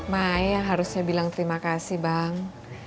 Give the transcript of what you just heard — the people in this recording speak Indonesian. maya harusnya bilang terima kasih bang